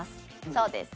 そうです。